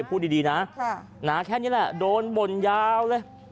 พูดดีนะแค่นี้แหละโดนบ่นยาวเลย